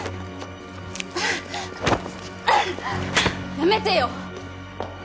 やめてよ！